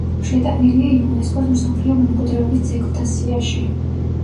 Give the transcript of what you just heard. შეტანილია იუნესკოს მსოფლიო მემკვირეობის ძეგლთა სიაში.